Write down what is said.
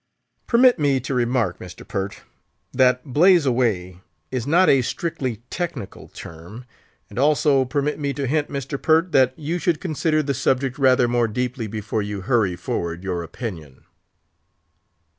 "Permit me to remark, Mr. Pert, that 'blaze away' is not a strictly technical term; and also permit me to hint, Mr. Pert, that you should consider the subject rather more deeply before you hurry forward your opinion."